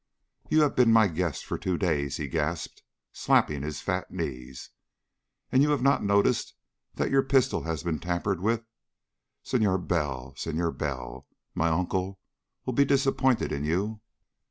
"You have been my guest for two days," he gasped, slapping his fat knees, "and you have not noticed that your pistol his been tampered with! Senhor Bell! Senhor Bell! My uncle will be disappointed in you!"